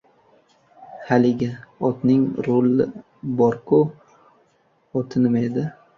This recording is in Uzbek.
— Haligi, otning ruli bor-ku, oti nima edi?